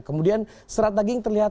kemudian serat daging terlihat